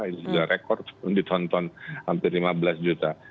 itu juga rekod ditonton hampir lima belas juta